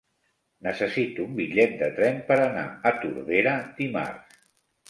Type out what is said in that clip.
Necessito un bitllet de tren per anar a Tordera dimarts.